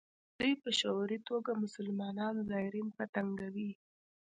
دوی په شعوري توګه مسلمان زایرین په تنګوي.